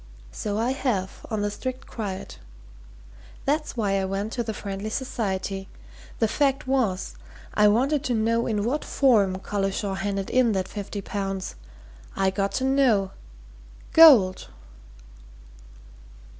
So I have on the strict quiet. That's why I went to the Friendly Society. The fact was I wanted to know in what form Collishaw handed in that fifty pounds. I got to know. Gold!"